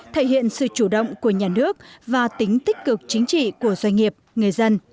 thể hiện sự chủ động của nhà nước và tính tích cực chính trị của doanh nghiệp người dân